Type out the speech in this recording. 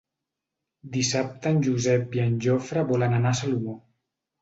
Dissabte en Josep i en Jofre volen anar a Salomó.